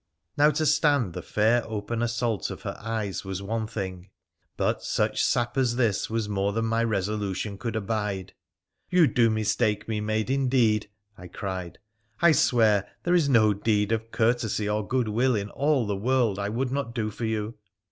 Now, to stand the fair open assault of her eyes was one thing, but such sap as this was more than my resolution could abide. ' You do mistake me, maid, indeed,' I cried. ' I swear there is no deed of courtesy or goodwill in all the world I would not do for you.'